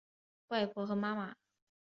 外婆和妈妈